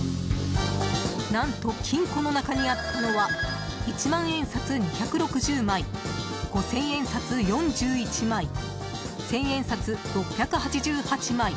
何と、金庫の中にあったのは一万円札、２６０枚五千円札、４１枚千円札、６８８枚。